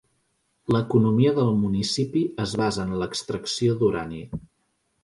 L'economia del municipi es basa en l'extracció d'urani.